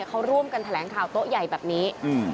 เขาร่วมกันแถลงข่าวโต๊ะใหญ่แบบนี้